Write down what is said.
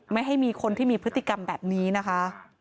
ไม่ให้มีคนที่มีพฤติกรรมแบบนี้นะคะ